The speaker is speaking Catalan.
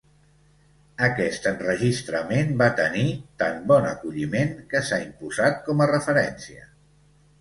Aquest enregistrament va tenir tan bon acolliment, que s'ha imposat com a referència.